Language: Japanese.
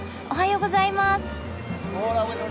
おはようございます。